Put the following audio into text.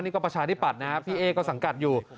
นี่ก็ประชานิปัตธ์พี่เอ๊กสังกัดอยู่